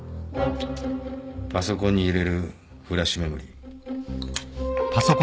パソコンに入れるフラッシュメモリー。